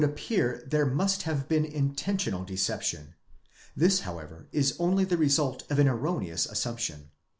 83 appear there must have been intentional deception: this however is only the result of an erroneous assumption.